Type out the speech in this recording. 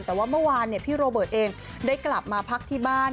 แต่ว่าเมื่อวานพี่โรเบิร์ตเองได้กลับมาพักที่บ้าน